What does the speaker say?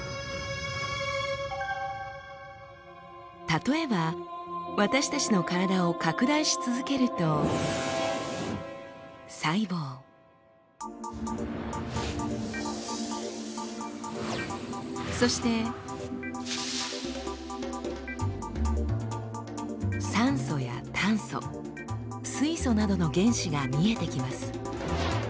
例えば私たちの体を拡大し続けると細胞そして酸素や炭素水素などの原子が見えてきます。